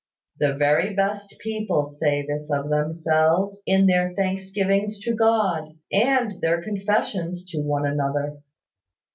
The very best people say this of themselves, in their thanksgivings to God, and their confessions to one another.